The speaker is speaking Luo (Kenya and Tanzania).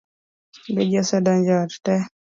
Be ji osedonjo ot tee?